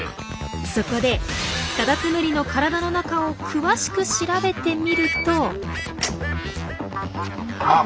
そこでカタツムリの体の中を詳しく調べてみると。